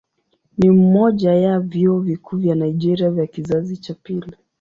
Ni mmoja ya vyuo vikuu vya Nigeria vya kizazi cha pili.